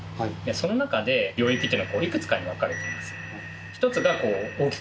その中で領域というのはいくつかに分かれています。